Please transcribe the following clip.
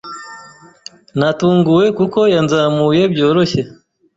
Natunguwe kuko yanzamuye byoroshye.